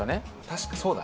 確かそうだ！